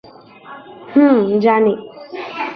হুম, জানি।